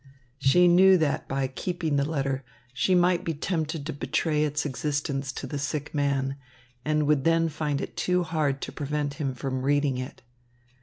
She knew that by keeping the letter, she might be tempted to betray its existence to the sick man and would then find it too hard to prevent him from reading it.